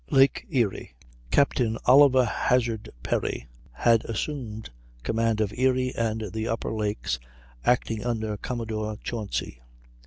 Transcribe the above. Lake Erie. Captain Oliver Hazard Perry had assumed command of Erie and the upper lakes, acting under Commodore Chauncy.